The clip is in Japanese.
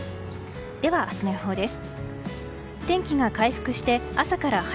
では明日の予報です。